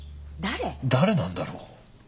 誰なんだろう？